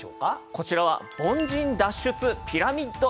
こちらは凡人脱出ピラミッドでございます。